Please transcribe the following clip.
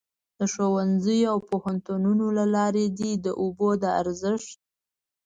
د ښوونځیو او پوهنتونونو له لارې دې د اوبو د ارزښت.